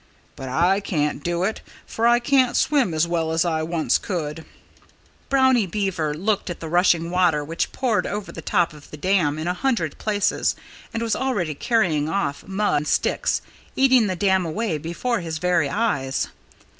But I can't do it, for I can't swim as well as I could once." Brownie Beaver looked at the rushing water which poured over the top of the dam in a hundred places and was already carrying off mud and sticks, eating the dam away before his very eyes.